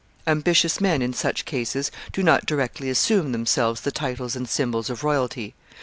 Ambitious men, in such cases, do not directly assume themselves the titles and symbols of royalty.